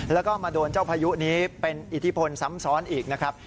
แล้วก็มาโดนเจ้าพายุนี้เป็นอิทธิพลซ้ำซ้อนอีกนะครับ